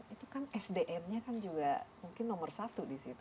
itu kan sdm nya kan juga mungkin nomor satu di situ